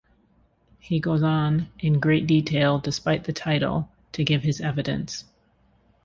He goes on, in great detail-despite the title-to give his evidence.